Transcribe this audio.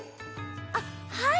あっはい。